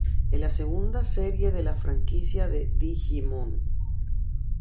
Es la segunda serie de la franquicia Digimon.